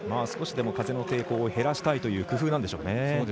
少しでも風の抵抗を減らしたいという工夫ですかね。